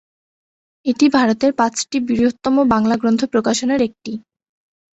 এটি ভারতের পাঁচটি বৃহত্তম বাংলা গ্রন্থ প্রকাশনার একটি।